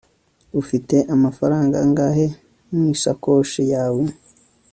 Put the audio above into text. ufite amafaranga angahe mu isakoshi yawe